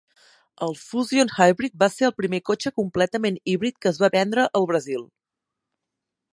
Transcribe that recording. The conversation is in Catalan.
El Fusion Hybrid va ser el primer cotxe completament híbrid que es va vendre el Brasil.